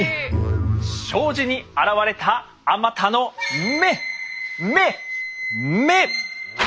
障子に現れたあまたの目目目！